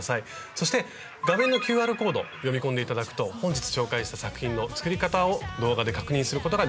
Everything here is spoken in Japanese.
そして画面のＱＲコード読み込んで頂くと本日紹介した作品の作り方を動画で確認することができます。